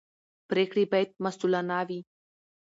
پرېکړې باید مسوولانه وي